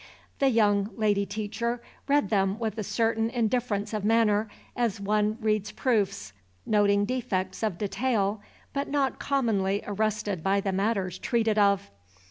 The young lady teacher read them with a certain indifference of manner, as one reads proofs noting defects of detail, but not commonly arrested by the matters treated of.